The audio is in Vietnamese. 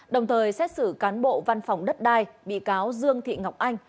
đồng thời xét xử cán bộ văn phòng đất đai bị cáo dương thị ngọc anh